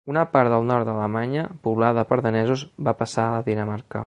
Una part del nord d’Alemanya poblada per danesos va passar a Dinamarca.